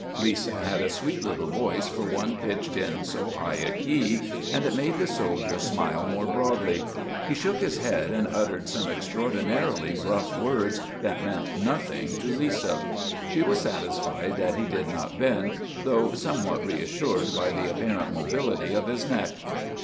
Lisa had a sweet little voice for one pitched in so high a key, and it made the soldier smile more broadly. He shook his head and uttered some extraordinarily gruff words that meant nothing to Lisa. She was satisfied that he did not bend, though somewhat reassured by the apparent mobility of his neck.